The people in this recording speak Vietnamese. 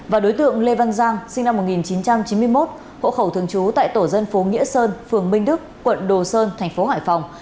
và đối tượng lê văn giang sinh năm một nghìn chín trăm chín mươi một hộ khẩu thường trú tại tổ dân phố nghĩa sơn phường minh đức quận đồ sơn thành phố hải phòng